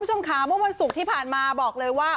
ผู้ชมค้าเมื่อวันสุกที่ผ่านมาบอกเลยว่า